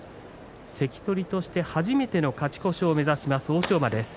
関取として初めての勝ち越しを目指します、欧勝馬です。